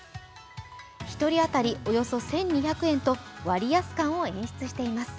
１人当たりおよそ１２００円と割安感を演出しています。